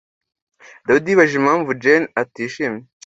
David yibajije impamvu Jane atishimye